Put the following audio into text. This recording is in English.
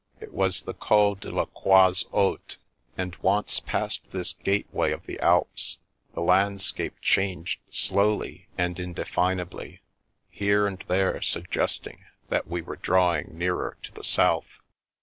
It was the Col de la Croix Haute; and once past this gateway of the Alps the landscape changed slowly and indefin ably, here and there suggesting that we were draw ing nearer to the south.